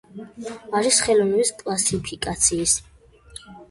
არის ხელოვნების კლასიფიკაციის.